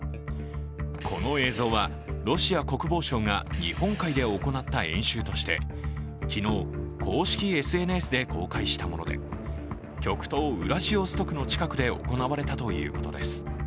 この映像は、ロシア国防省が日本海で行った演習として昨日、公式ＳＮＳで公開したもので極東・ウラジオストクの近くで行われたということです。